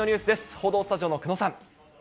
報道スタジオの久野さん。